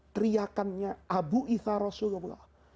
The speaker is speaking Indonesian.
teriakannya abu ithar rasulullah